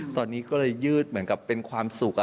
ตอนนี้ก็เลยยืดเหมือนกับเป็นความสุข